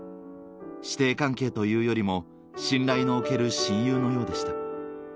師弟関係というよりも、信頼のおける親友のようでした。